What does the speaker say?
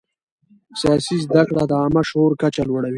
سیاسي زده کړه د عامه شعور کچه لوړوي